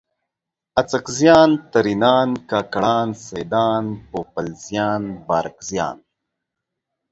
اڅکزیان، ترینان، کاکړان، سیدان ، پوپلزیان، بارکزیان